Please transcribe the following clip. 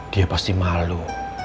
dia pasti malu